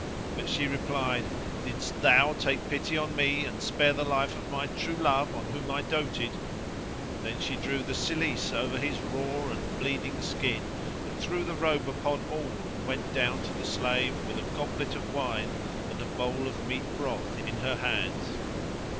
But she replied, "Didst thou take pity on me and spare the life of my true love on whom I coated?" Then she drew the cilice over his raw and bleeding skin and threw the robe upon all and went down to the slave with a goblet of wine and a bowl of meat broth in her hands.